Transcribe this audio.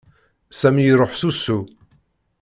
Sami iruḥ s usu.